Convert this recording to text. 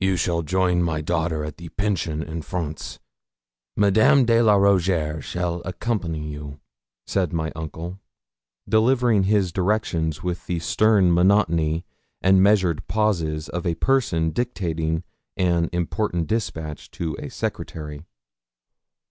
'You shall join my daughter at the Pension, in France; Madame de la Rougierre shall accompany you,' said my uncle, delivering his directions with the stern monotony and the measured pauses of a person dictating an important despatch to a secretary.'